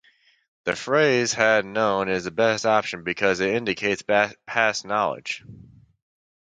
The phrase "had known" is the best option because it indicates past knowledge.